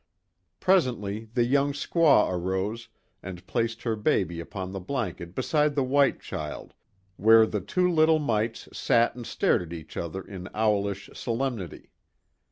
Presently the young squaw arose and placed her baby upon the blanket beside the white child where the two little mites sat and stared at each other in owlish solemnity.